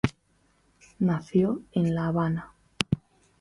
Nació en La Habana.